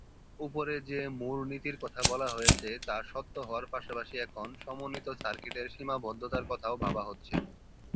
উপরে যে মুর নীতির কথা বলা হয়েছে তা সত্য হওয়ার পাশাপাশি এখন সমন্বিত সার্কিটের সীমাবদ্ধতার কথাও ভাবা হচ্ছে।